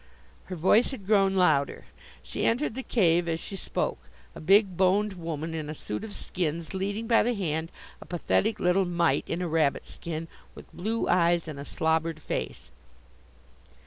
Her voice had grown louder. She entered the cave as she spoke a big boned woman in a suit of skins leading by the hand a pathetic little mite in a rabbit skin, with blue eyes and a slobbered face.